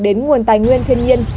đến nguồn tài nguyên thiên nhiên